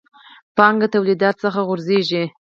پانګه توليديت څخه غورځېږي.